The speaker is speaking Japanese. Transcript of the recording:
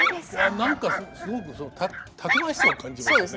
何かすごくたくましさを感じますね。